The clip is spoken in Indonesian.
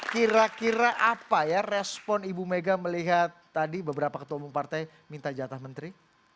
kira kira apa ya respon ibu mega melihat tadi beberapa ketua umum partai minta jatah menteri